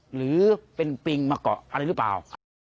หรือเป็นปิงมาเกาะอะไรหรือเปล่า